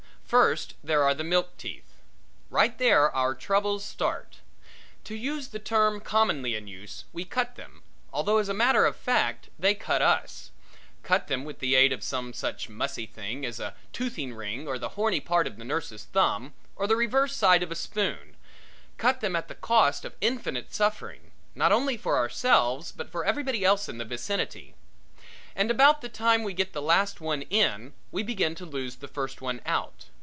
First there are the milk teeth. Right there our troubles start. To use the term commonly in use, we cut them, although as a matter of fact, they cut us cut them with the aid of some such mussy thing as a toothing ring or the horny part of the nurse's thumb, or the reverse side of a spoon cut them at the cost of infinite suffering, not only for ourselves but for everybody else in the vicinity. And about the time we get the last one in we begin to lose the first one out.